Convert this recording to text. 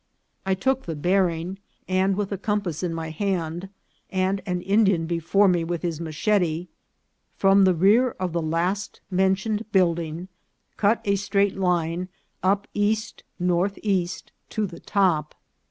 I took the bearing, and, with a compass in my hand and an Indian before me with his machete, from the rear of the last mentioned build ing cut a straight line up east northeast to the top.